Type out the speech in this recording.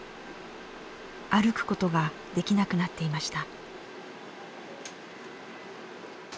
歩くことができなくなっていました。